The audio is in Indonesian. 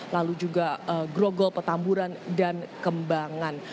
lalu juga grogol petamburan dan kembangan